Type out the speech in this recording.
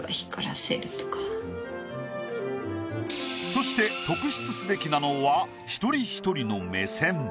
そして特筆すべきなのは一人一人の目線。